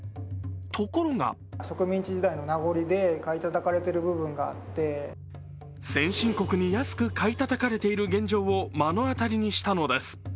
ところが先進国に安く買いたたかれている現状を目の当たりにしたのです。